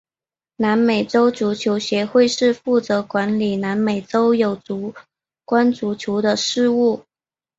南美洲足球协会是负责管理南美洲有关足球的事务。